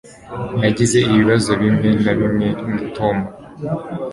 Nagize ibibazo bimwe na bimwe na Toma